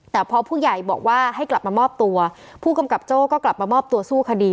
แต่พอผู้ใหญ่บอกว่าให้กลับมามอบตัวผู้กำกับโจ้ก็กลับมามอบตัวสู้คดี